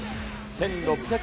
１６００